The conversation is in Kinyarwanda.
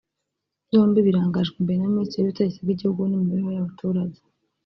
byombi birangajwe imbere na Minisiteri y’ubutegetsi bw’ igihugu n’ imibereho y’abaturage